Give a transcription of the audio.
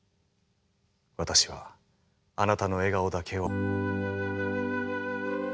私はあなたの笑顔だけを。